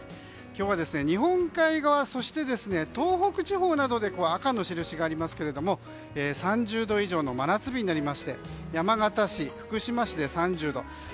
今日は日本海側そして東北地方などで赤の印がありますが３０度以上の真夏日になりまして山形市、福島市で３０度。